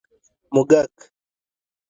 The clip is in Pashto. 🐁 موږک